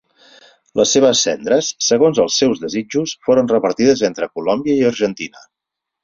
Les seves cendres, segons els seus desitjos, foren repartides entre Colòmbia i Argentina.